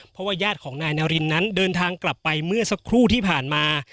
เพราะว่าญาติของนายนารินนั้นเดินทางกลับไปเมื่อสักครู่ที่ผ่านมา